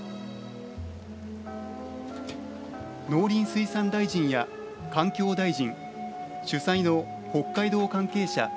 農林水産大臣や環境大臣主催の北海道関係者